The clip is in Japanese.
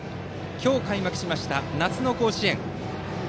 今日、開幕しました夏の甲子園。